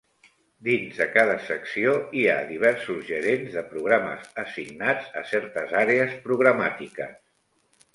Dins de cada secció, hi ha diversos gerents de programes assignats a certes àrees programàtiques.